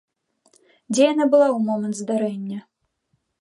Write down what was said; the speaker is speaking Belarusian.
Дзе яна была ў момант здарэння?